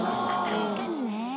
確かにね。